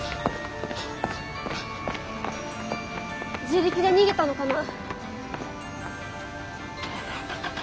自力で逃げたのかな？